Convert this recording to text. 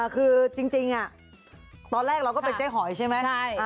คือจริงเดี่ยวเราเลยเป็นซอยเงินใช่มั้ย